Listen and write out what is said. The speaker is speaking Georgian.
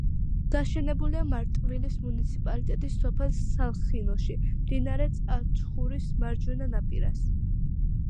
გაშენებულია მარტვილის მუნიციპალიტეტის სოფელ სალხინოში, მდინარე წაჩხურის მარჯვენა ნაპირას.